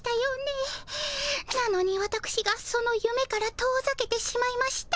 なのにわたくしがそのゆめから遠ざけてしまいました。